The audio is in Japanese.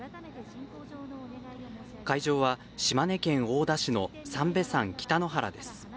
会場は島根県大田市の三瓶山北の原です。